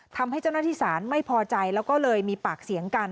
ทำให้เจ้าหน้าที่ศาลไม่พอใจแล้วก็เลยมีปากเสียงกัน